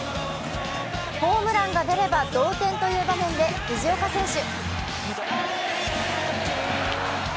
ホームランが出れば同点という場面で藤岡選手。